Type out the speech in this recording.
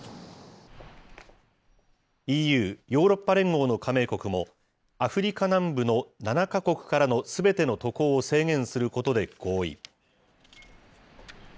ＥＵ・ヨーロッパ連合の加盟国も、アフリカ南部の７か国からのすべての渡航を制限することで合意。